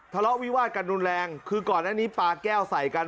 ทะเลาะวิวาดกันรุนแรงคือก่อนอันนี้ปลาแก้วใส่กัน